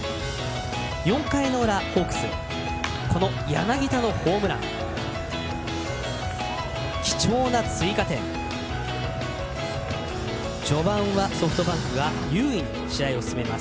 ４回のホークスの柳田のホームラン貴重な追加点序盤はソフトバンクが優位に試合を進めます。